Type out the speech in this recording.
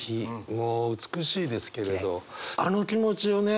もう美しいですけれどあの気持ちをね